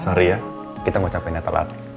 sorry ya kita ngucapainnya telat